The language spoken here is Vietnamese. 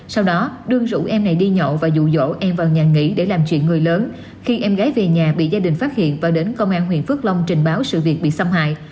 sau đó đương rủ em này đi nhậu và dụ dỗ em vào nhà nghỉ để làm chuyện người lớn khi em gái về nhà bị gia đình phát hiện và đến công an huyện phước long trình báo sự việc bị xâm hại